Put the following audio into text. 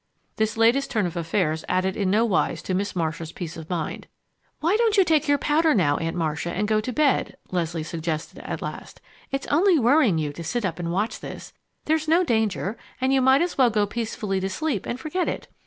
This latest turn of affairs added in no wise to Miss Marcia's peace of mind. "Why don't you take your powder now, Aunt Marcia, and go to bed," Leslie suggested at last. "It's only worrying you to sit up and watch this. There's no danger, and you might as well go peacefully to sleep and forget it.